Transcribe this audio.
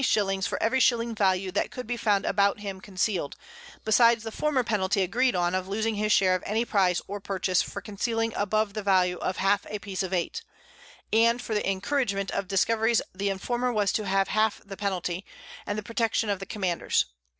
_ for every Shilling Value that should be found about him conceal'd, besides the former Penalty agreed on of losing his Share of any Prize or Purchase for concealing above the Value of half a Piece of Eight; and for the Incouragement of Discoveries the Informer was to have half the Penalty, and the Protection of the Commanders.